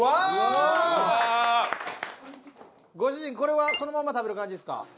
ご主人これはそのまま食べる感じですか？